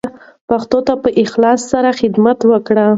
پښتو ته په اخلاص سره خدمت وکړئ.